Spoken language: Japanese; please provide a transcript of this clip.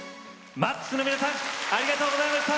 ＭＡＸの皆さんありがとうございました。